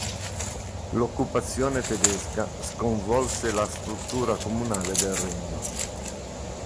L'occupazione tedesca sconvolse la struttura comunale del regno.